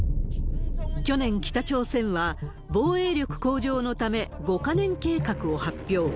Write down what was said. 去年、北朝鮮は防衛力向上のため、５か年計画を発表。